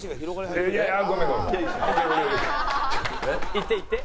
行って行って。